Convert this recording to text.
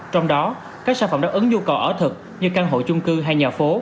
trong đó các sản phẩm đáp ứng nhu cầu ở thực như căn hộ chung cư hay nhà phố